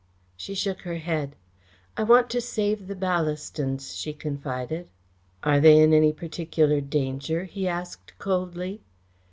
She shook her head. "I want to save the Ballastons," she confided. "Are they in any particular danger?" he asked coldly.